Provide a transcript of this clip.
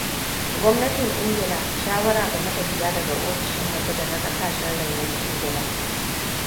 gwamnatin ingila - shawara ga matafiya daga offishin waje dana kasashen renon ingila.